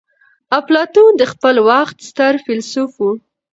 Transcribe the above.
اپلاتون د خپل وخت ستر فيلسوف وو.